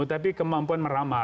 tetapi juga dari segi kebijakan